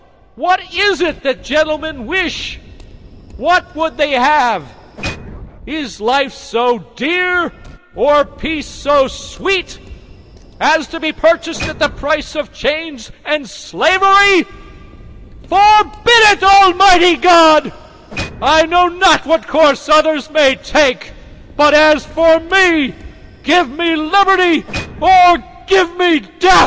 What is it that gentlemen wish? What would they have? Is life so dear, or peace so sweet, as to be purchased at the price of chains and slavery? Forbid it, Almighty God! I know not what course others may take; but as for me, give me liberty or give me death!